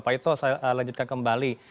pak ito saya lanjutkan kembali